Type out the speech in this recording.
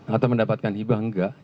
atau mendapatkan hibah enggak